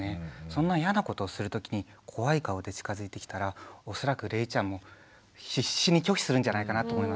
そんな嫌なことをする時に怖い顔で近づいてきたら恐らくれいちゃんも必死に拒否するんじゃないかなと思います。